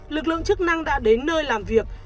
lực lượng chức năng đã đến nơi làm việc